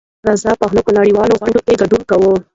رضا پهلوي په نړیوالو غونډو کې ګډون کوي.